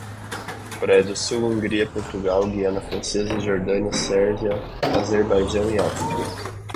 Coreia do Sul, Hungria, Portugal, Guiana Francesa, Jordânia, Sérvia, Azerbaijão, Áustria